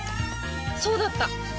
そうだった！